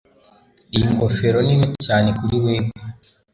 Iyi ngofero ni nto cyane kuri wewe